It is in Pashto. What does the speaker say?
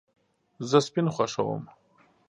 زه سپین خوښوم